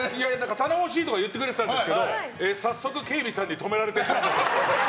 頼もしいとか言ってくれてたんですけど早速、警備さんに止められて。